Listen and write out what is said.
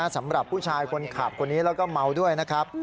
สำหรับผู้ชายคนขับคนนี้แล้วก็เมาด้วยนะครับ